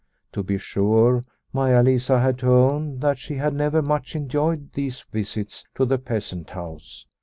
To be sure Maia Lisa had to own that she had never much enjoyed these visits to the peasant house.